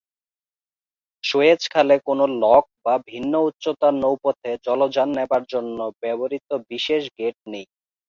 Suez খালে কোন lock বা ভিন্ন উচ্চতার নৌপথে জলযান নেবার জন্য ব্যবহৃত বিশেষ গেট নেই।